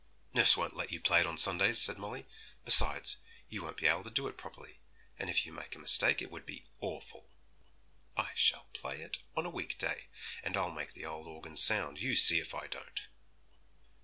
'Nurse won't let you play it on Sundays,' said Molly; 'besides, you won't be able to do it properly, and if you made a mistake it would be awful.' 'I shall play it on a week day, and I'll make the old organ sound, you see if I don't!'